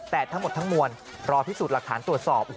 แต่ทั้งหมดทั้งมวลรอพิสูจน์หลักฐานตรวจสอบ